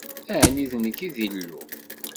Ɛni d nekk i d Illu?